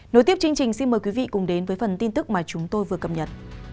nối tiếp chương trình xin mời quý vị cùng đến với phần tin tức mà chúng tôi vừa cập nhật